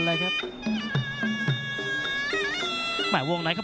นักมวยจอมคำหวังเว่เลยนะครับ